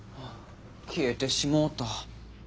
消えてしもうた。